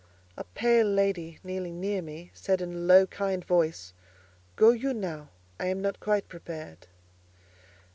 A pale lady, kneeling near me, said in a low, kind voice:—"Go you now, I am not quite prepared."